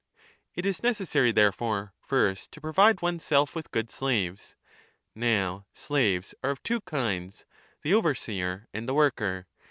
It is necessary therefore first to provide one 25 self with good slaves. Now slaves are of two kinds, the overseer and the worker.